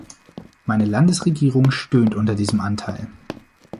Meine Landesregierung stöhnt unter diesem Anteil.